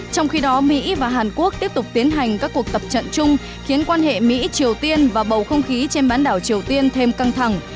trong khi đó mỹ và hàn quốc tiếp tục tiến hành các cuộc tập trận chung khiến quan hệ mỹ triều tiên và bầu không khí trên bán đảo triều tiên thêm căng thẳng